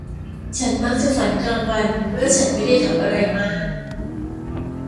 ฉันมักจะฝันกลางวันเมื่อฉันไม่ได้ทำอะไรมาก